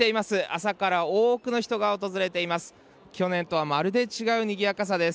朝から多くの人が訪れています。